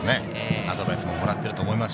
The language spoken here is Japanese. アドバイスももらっていると思います。